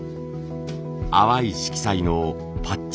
淡い色彩のパッチワーク。